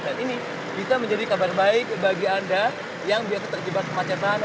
dan ini bisa menjadi kabar baik bagi anda yang biasa terjebak kemacetan